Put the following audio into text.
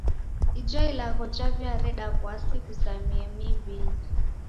Ijo ilagho jaw'iareda w'asi ghuzamie miw'inyi.